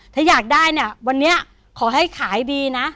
ถ้าอยากได้เนี่ยวันนี้ขอให้ขายดีนะ